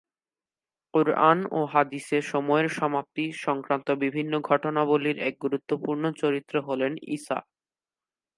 কুরআন ও হাদিসে "সময়ের সমাপ্তি" সংক্রান্ত বিভিন্ন ঘটনাবলির এক গুরুত্বপূর্ণ চরিত্র হলেন ঈসা।